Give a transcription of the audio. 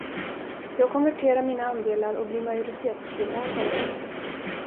Jag konverterar mina andelar och blir majoritetsdelägare.